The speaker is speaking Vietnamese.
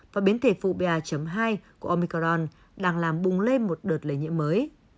và biến thể phụ pa hai của omicron đang làm bùng lên một đợt lây nhiễm mới